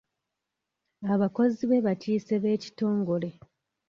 Abakozi be bakiise b'ekitongole.